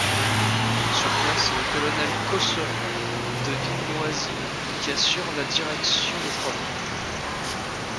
Sur place, c'est le colonel Cosseron de Villenoisy qui assure la direction des travaux.